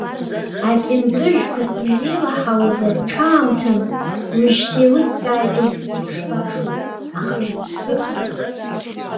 Акьынтыжәқәа санреилаҳауаз аҽаамҭан, уажәшьҭа еилыскааит урҭ зегьы шбашоу, аха изыԥсоузеи…